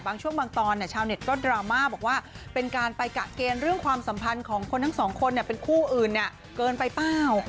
บางช่วงบางตอนชาวเน็ตก็ดราม่าบอกว่าเป็นการไปกะเกณฑ์เรื่องความสัมพันธ์ของคนทั้งสองคนเป็นคู่อื่นเกินไปเปล่า